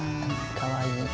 かわいい。